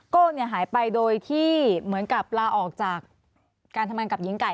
โก้หายไปโดยที่เหมือนกับลาออกจากการทำงานกับหญิงไก่